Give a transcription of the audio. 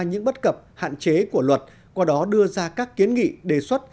những bất cập hạn chế của luật qua đó đưa ra các kiến nghị đề xuất